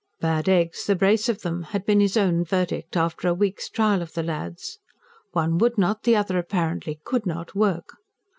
"Bad eggs, the brace of them!" had been his own verdict, after a week's trial of the lads. One would not, the other apparently could not work.